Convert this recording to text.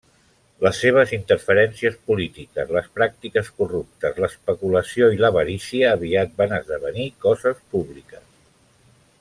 Les seves interferències polítiques, les pràctiques corruptes, l'especulació i l'avarícia aviat van esdevenir coses públiques.